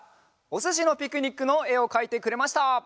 「おすしのピクニック」のえをかいてくれました！